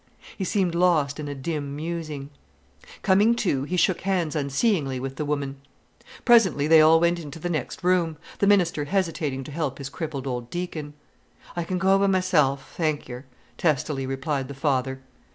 He seemed lost in a dim musing. Coming to, he shook hands unseeingly with the woman. Presently they all went into the next room, the minister hesitating to help his crippled old deacon. "I can go by myself, thank yer," testily replied the father.